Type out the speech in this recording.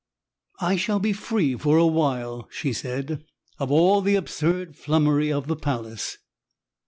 "I shall be free for a while," she said, "of all the absurd flummery of the palace."